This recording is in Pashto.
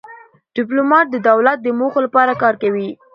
ډيپلومات د دولت د موخو لپاره کار کوي.